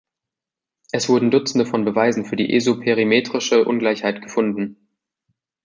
Es wurden Dutzende von Beweisen für die isoperimetrische Ungleichheit gefunden.